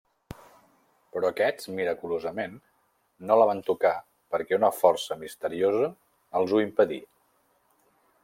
Però aquests, miraculosament, no la van tocar perquè una força misteriosa els ho impedí.